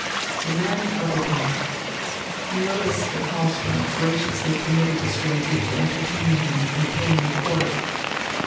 The man troubled him. He noticed that Hahlström graciously permitted the stranger to entertain him and pay him court.